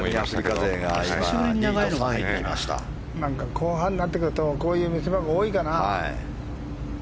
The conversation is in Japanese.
後半になってくるとこういう見せ場が多いかな。